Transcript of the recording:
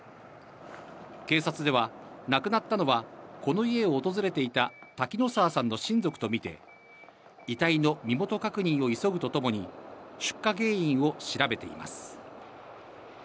警察では、亡くなったのは、この家を訪れていた滝野澤さんの親族とみて遺体の身元確認を急ぐとともに出火原因を調べています。